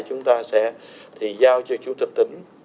chúng ta sẽ thì giao cho chủ tịch tỉnh